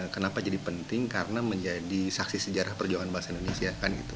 kenapa jadi penting karena menjadi saksi sejarah perjuangan bahasa indonesia